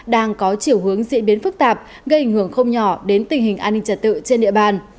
đang có chiều hướng diễn biến phức tạp gây ảnh hưởng không nhỏ đến tình hình an ninh trật tự trên địa bàn